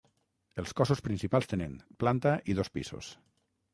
Els cossos principals tenen planta i dos pisos.